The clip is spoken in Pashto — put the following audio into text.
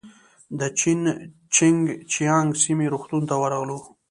د جين چنګ جيانګ سیمې روغتون ته ورغلو.